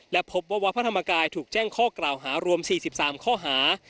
และพบว่าวัดพระธรรมกายถูกแจ้งข้อกล่าวหารวม๔๓ข้อหา